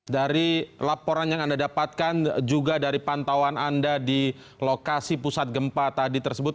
dari laporan yang anda dapatkan juga dari pantauan anda di lokasi pusat gempa tadi tersebut